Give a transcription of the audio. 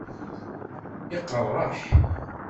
Iqeṛṛeḥ!